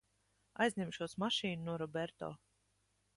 Aizņemšos mašīnu no Roberto.